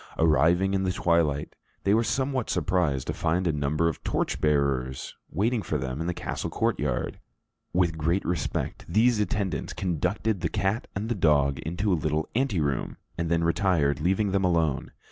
Arriving in the twilight, they were somewhat surprised to find a number of torchbearers waiting for them in the castle courtyard. With great respect, these attendants conducted the cat and the dog into a little ante room, and then retired, leaving them alone.